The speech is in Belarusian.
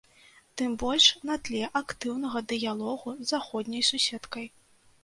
Тым больш на тле актыўнага дыялогу з заходняй суседкай.